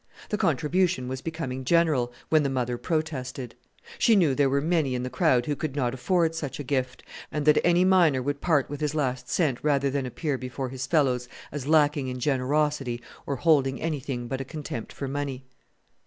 The contribution was becoming general, when the mother protested. She knew there were many in the crowd who could not afford such a gift, and that any miner would part with his last cent rather than appear before his fellows as lacking in generosity or holding anything but a contempt for money.